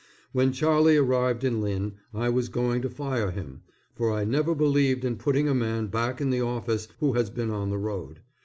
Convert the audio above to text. When Charlie arrived in Lynn, I was going to fire him, for I never believed in putting a man back in the office who has been on the road.